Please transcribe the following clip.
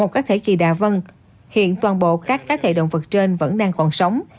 một cá thể kỳ đạ vân hiện toàn bộ các cá thể động vật trên vẫn đang còn sống